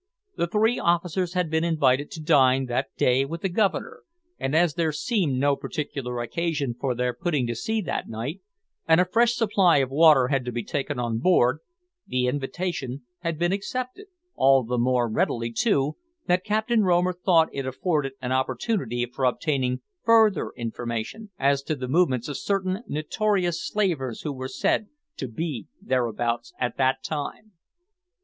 The three officers had been invited to dine that day with the Governor, and as there seemed no particular occasion for their putting to sea that night, and a fresh supply of water had to be taken on board, the invitation had been accepted, all the more readily, too, that Captain Romer thought it afforded an opportunity for obtaining further information as to the movements of certain notorious slavers who were said to be thereabouts at that time.